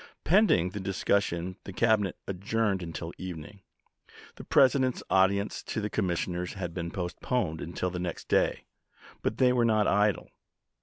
Pending the discussion the Cabinet adjourned until evening. The President's audience to the commissioners had been postponed until the next day; but they were not idle.